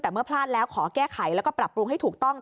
แต่เมื่อพลาดแล้วขอแก้ไขแล้วก็ปรับปรุงให้ถูกต้อง